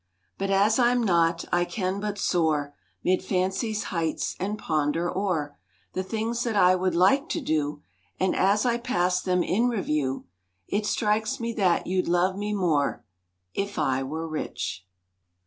But as I'm not, I can but soar Mid fancy's heights and ponder o'er The things that I would like to do; And as I pass them in review It strikes me that you'd love me more If I were rich.